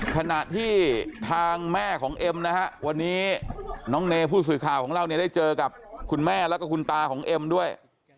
ขณะที่ทางแม่ของเอ็มนะฮะวันนี้น้องเนผู้สื่อข่าวของเราเนี่ยได้เจอกับคุณแม่แล้วก็คุณตาของเอ็มด้วย